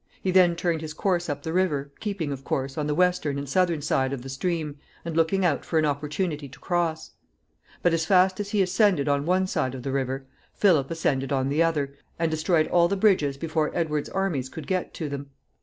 He then turned his course up the river, keeping, of course, on the western and southern side of the stream, and looking out for an opportunity to cross. But as fast as he ascended on one side of the river, Philip ascended on the other, and destroyed all the bridges before Edward's armies could get to them.